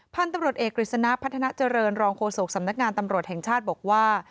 พันธุ์ตำรวจเอกกฤษณะพัฒนาเจริญรองโฆษกสำนักงานตำรวจแห่งชาติบอกว่า